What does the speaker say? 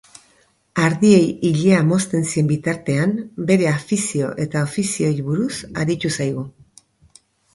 Ardiei ilea mozten zien bitartean bere afizio eta ofizioei buruz aritu zaigu.